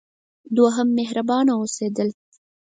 دوهم: مهربانه اوسیدل.